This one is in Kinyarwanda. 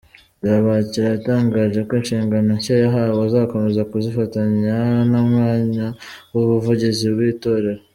Nzabakira yatangaje ko inshingano nshya yahawe azakomeza kuzifatanya n’umwanya w’ubuvugizi bw’itorero.